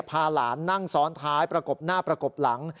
พาหลานนั่งซ้อนท้ายประกบหน้าประกบหลัง